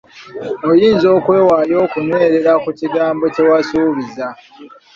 Oyinza okwewaayo okunywerera ku kigambo kye wasuubiza.